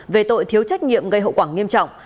về tội thiếu trách nhiệm gây hậu quả nghiêm trọng